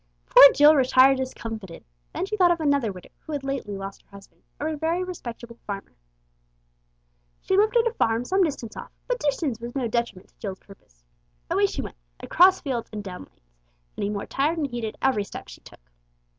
Poor Jill retired discomfited. Then she thought of another widow who had lately lost her husband, a very respectable farmer. She lived at a farm some distance off, but distance was no detriment to Jill's purpose. Away she went; across fields and down lanes; getting more tired and heated every step she took.